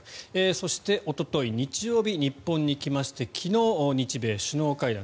そして、おととい日曜日日本に来まして昨日、日米首脳会談。